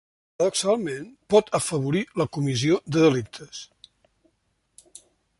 Paradoxalment pot afavorir la comissió de delictes.